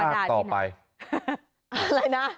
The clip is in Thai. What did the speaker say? ก็คือเธอนี่มีความเชี่ยวชาญชำนาญ